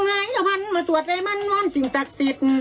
อ้อมจงหายหวันมาสวดใดมันวันสิ่งศักดิ์สิทธิ์